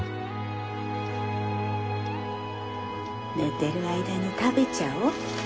寝てる間に食べちゃおう。